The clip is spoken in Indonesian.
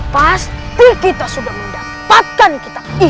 pasti kita sudah mendapatkan kita